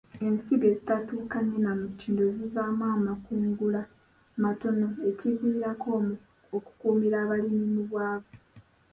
Ensigo ezitatuukaanye na mutindo zivaamu amakungula matono ekiviirako okukuumira abalimi mu bwavu.